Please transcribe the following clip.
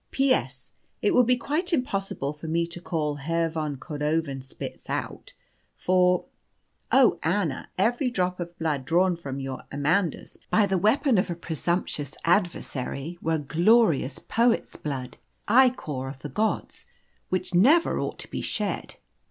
"P.S. It would be quite impossible for me to call Herr von Cordovanspitz out. For, oh Anna! every drop of blood drawn from your Amandus by the weapon of a presumptuous adversary were glorious poet's blood ichor of the gods which never ought to be shed.